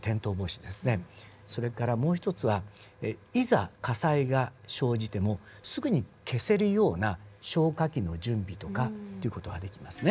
それからもう一つはいざ火災が生じてもすぐに消せるような消火器の準備とかという事はできますね。